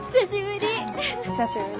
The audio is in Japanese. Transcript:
久しぶり！